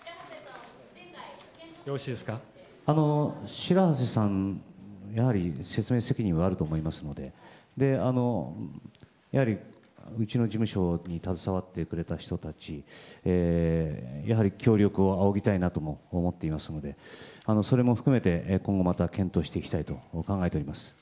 白波瀬さんの説明責任もあると思いますしやはりうちの事務所に携わってくれた人たちやはり協力をあおぎたいなと思っておりますのでそれも含めて、今後また検討していきたいと思っています。